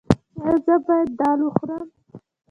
ایا زه باید دال وخورم؟